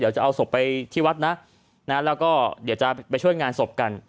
เดี๋ยวจะเอาศพไปที่วัดนะแล้วก็เดี๋ยวจะไปช่วยงานศพกัน